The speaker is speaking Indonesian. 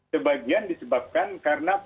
sebagian disebabkan karena